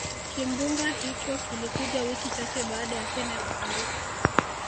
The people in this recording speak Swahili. kimbunga hicho kilikuja wiki chache baada ya kenneth kufariki